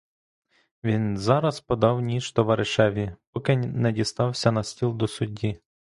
Він зараз подав ніж товаришеві, поки не дістався на стіл до судді.